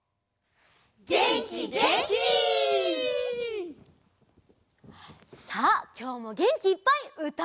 げんきげんき！さあきょうもげんきいっぱいうたっておどるよ！